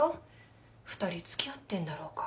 ２人付き合ってんだろうか。